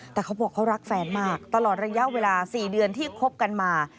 แต่เขาบอกเขารักแฟนมากตลอดระยะเวลา๔เดือนที่คบกันมา